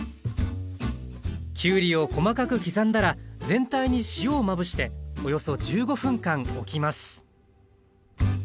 きゅうりを細かく刻んだら全体に塩をまぶしておよそ１５分間おきます